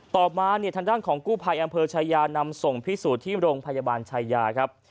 ต่อมาเนี่ยทางด้านของกู้ภัยอำเภอชายานำส่งพิสูจน์ที่โรงพยาบาลชายาครับ